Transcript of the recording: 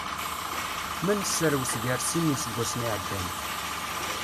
Ma neserwes gar sin n yiseggasen iɛeddan.